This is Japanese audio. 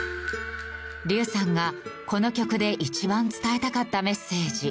竜さんがこの曲で一番伝えたかったメッセージ。